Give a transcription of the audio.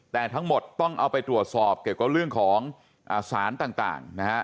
แต่ทั้งหมดต้องเอาไปตรวจสอบเกี่ยวกับเรื่องของสารต่างนะฮะ